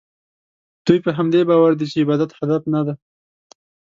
دوی په همدې باور دي چې عبادت هدف نه دی.